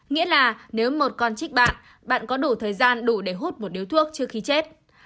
nghĩa là nếu một con trích bạn bạn có đủ thời gian đủ để hút một điếu thuốc trước khi chết